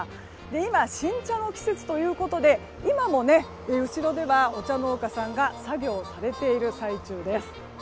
今、新茶の季節ということで今も後ろではお茶農家さんが作業をされている最中です。